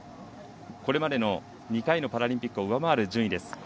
これまでの２回のパラリンピックを上回る順位です。